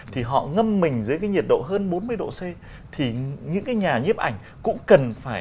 thì họ ngâm mình dưới cái nhiệt độ hơn bốn mươi độ c thì những cái nhà nhiếp ảnh cũng cần phải lăn ra như vậy